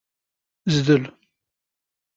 Zdel.